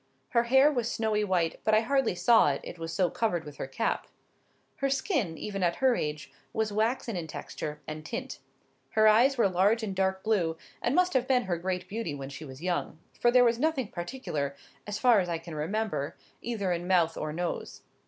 Her hair was snowy white, but I hardly saw it, it was so covered with her cap: her skin, even at her age, was waxen in texture and tint; her eyes were large and dark blue, and must have been her great beauty when she was young, for there was nothing particular, as far as I can remember, either in mouth or nose.